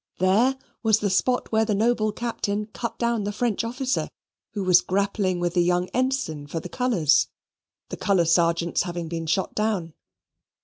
There was the spot where the noble Captain cut down the French officer who was grappling with the young Ensign for the colours, the Colour Sergeants having been shot down.